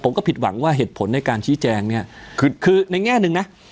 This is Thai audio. ผมก็ผิดหวังว่าเหตุผลในการชี้แจงเนี่ยคือคือในแง่หนึ่งนะ